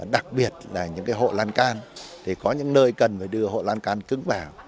đặc biệt là những hộ lan can có những nơi cần đưa hộ lan can cứng vào